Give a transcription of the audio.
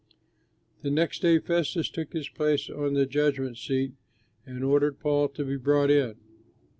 The next day Festus took his place on the judgment seat and ordered Paul to be brought in.